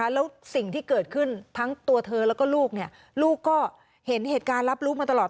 แล้วสิ่งที่เกิดขึ้นทั้งตัวเธอแล้วก็ลูกลูกก็เห็นเหตุการณ์รับรู้มาตลอด